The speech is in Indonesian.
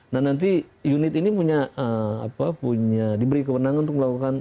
nah nanti unit ini diberi kemenangan untuk melakukan korupsi